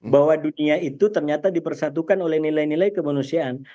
bahwa dunia itu ternyata dipersatukan oleh nilai nilai kemanusiaan